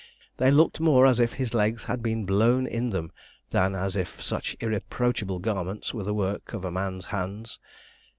They looked more as if his legs had been blown in them than as if such irreproachable garments were the work of man's hands.